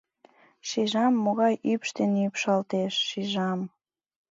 — Шижам, могай ӱпш ден ӱпшалтеш, шижам.